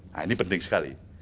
nah ini penting sekali